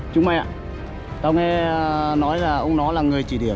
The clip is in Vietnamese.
chú mẹ tao nghe nói là ông nó là người chỉ điểm